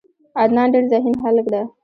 عدنان ډیر ذهین هلک ده.